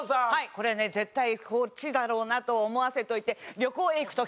これね絶対こっちだろうなと思わせといて旅行へ行く時。